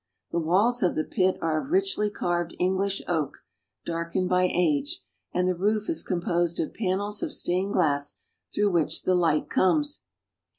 The walls of the pit are of richly carved English oak, darkened by age, and the roof is composed of panels of stained glass through which the light comes.